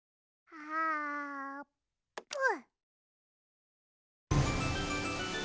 あぷん？